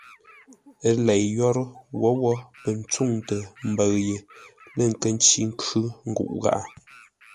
Ə́ lei yórə́, wǒwó pə̂ ntsûŋtə mbəʉ ye lə̂ nkə́ ncí nkhʉ́ nguʼ gháʼá.